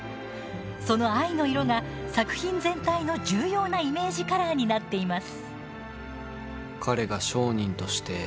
その藍の色が作品全体の重要なイメージカラーになっています。